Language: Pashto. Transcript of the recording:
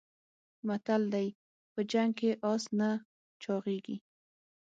متل دی: په جنګ کې اس نه چاغېږي.